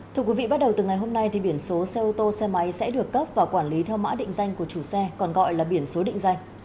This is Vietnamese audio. thưa quý vị bắt đầu từ ngày hôm nay thì biển số xe ô tô xe máy sẽ được cấp và quản lý theo mã định danh của chủ xe còn gọi là biển số định danh